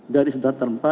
garis datar empat